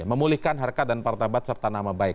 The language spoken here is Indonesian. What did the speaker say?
memulihkan harkat dan martabat serta nama baik